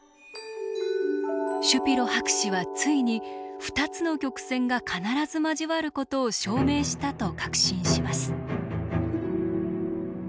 シュピロ博士はついに２つの曲線が必ず交わることを証明したと確信します。